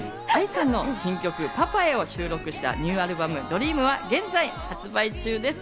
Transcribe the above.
ＡＩさんの新曲『パパへ』を収録したニューアルバム『ＤＲＥＡＭ』は現在発売中です。